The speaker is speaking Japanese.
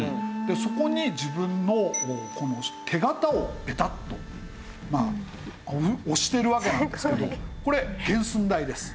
そこに自分のこの手形をペタッと押してるわけなんですけどこれ原寸大です。